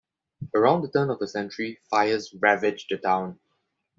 Around the turn of the century, fires ravaged the town.